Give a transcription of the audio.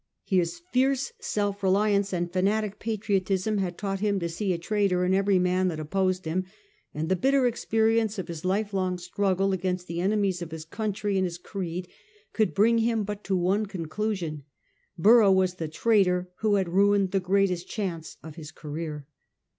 His fierce self reliance and fanatic patriotism had taught him to see a traitor in every man that opposed him, and the bitter experience of his life long struggle against the enemies of his coimtry and his creed could bring him but to one conclusion — Borough was the traitor who had ruined the greatest chance of his career!